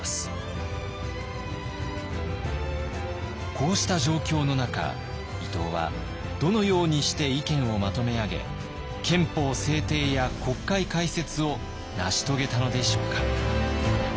こうした状況の中伊藤はどのようにして意見をまとめ上げ憲法制定や国会開設を成し遂げたのでしょうか。